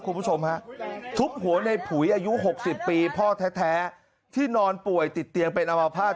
คุณผู้ชมฮะทุบหัวในผุยอายุ๖๐ปีพ่อแท้ที่นอนป่วยติดเตียงเป็นอมภาษณ